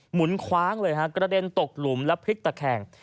หุนคว้างเลยฮะกระเด็นตกหลุมและพลิกตะแคง